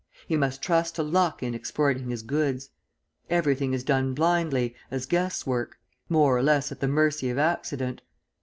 He must trust to luck in exporting his goods. Everything is done blindly, as guess work, more or less at the mercy of accident.